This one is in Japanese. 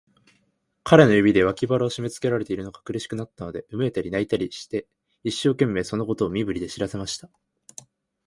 彼の指で、脇腹をしめつけられているのが苦しくなったので、うめいたり、泣いたりして、一生懸命、そのことを身振りで知らせました。